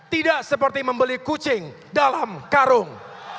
tidak seperti membeli kucing dalam karung